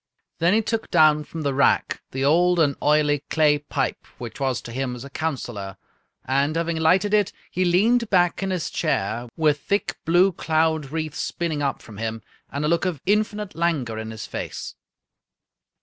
Then he took down from the rack the old and oily clay pipe, which was to him as a counselor, and, having lighted it, he leaned back in his chair, with thick blue cloud wreaths spinning up from him, and a look of infinite languor in his face.